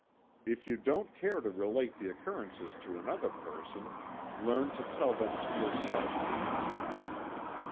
If you don't care to relate the occurrences to another person learn to tell them to yourself in the evening.